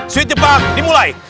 sweet jepang dimulai